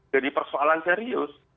jadi persoalan serius